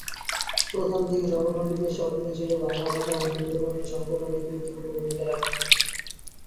প্রথমদিকে সংগঠনটি বেশ সক্রিয় ছিল, বাংলা ভাষা আন্দোলনে সংগঠনটি গুরুত্বপূর্ণ ভূমিকা রাখে।